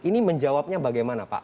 ini menjawabnya bagaimana pak